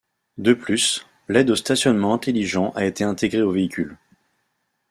De plus, l'aide au stationnement intelligent a été intégré au véhicule.